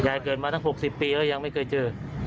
เกิดมาตั้ง๖๐ปีแล้วยังไม่เคยเจอ